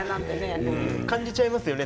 何かを感じちゃいますよね。